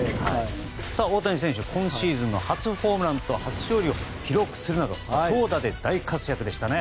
大谷選手、今シーズンの初ホームランと初勝利を記録するなど投打で大活躍でしたね。